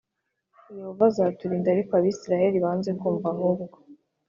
Yehova azaturinda ariko abisirayeli banze kumva ahubwo